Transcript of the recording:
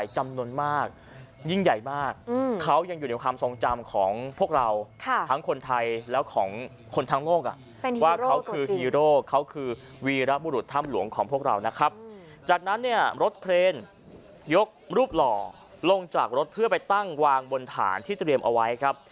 จากนั้นเนี่ยรถเครนยกรูปหล่อลงจากรถเพื่อไปตั้งวางบนฐานที่เตรียมเอาไว้ครับ